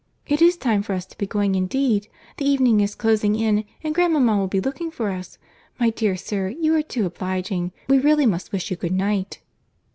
It is time for us to be going indeed. The evening is closing in, and grandmama will be looking for us. My dear sir, you are too obliging. We really must wish you good night."